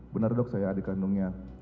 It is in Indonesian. benar dok saya adik kandungnya